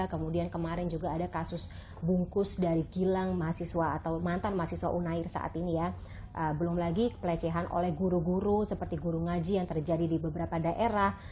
kemudian kemarin juga ada kasus bungkus dari gilang mahasiswa atau mantan mahasiswa unair saat ini ya belum lagi pelecehan oleh guru guru seperti guru ngaji yang terjadi di beberapa daerah